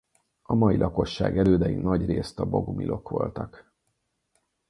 A mai lakosság elődei nagyrészt a bogumilok voltak.